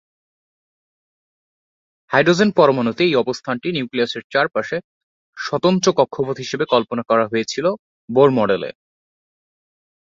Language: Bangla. হাইড্রোজেন পরমাণুতে এই অবস্থাটি নিউক্লিয়াসের চারপাশে স্বতন্ত্র কক্ষপথ হিসাবে কল্পনা করা হয়েছিল বোর মডেল এ।